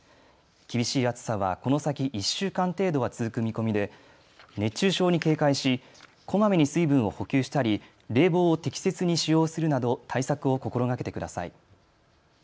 厳しい暑さはこの先、１週間程度は続く見込みで、熱中症に警戒し、こまめに水分を補給したり冷房を適切に使用するなど対策を心がけてください。